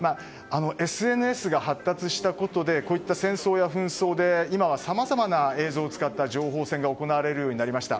ＳＮＳが発達したことでこういった戦争や紛争で今はさまざまな映像を使った情報戦が行われるようになりました。